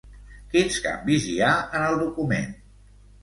Quins canvis hi ha en el document?